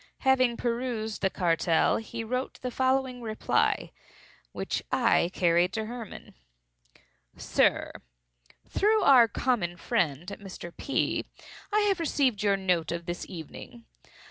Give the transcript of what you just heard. Having perused the cartel, he wrote the following reply, which I carried to Hermann. "SIR,—Through our common friend, Mr. P., I have received your note of this evening.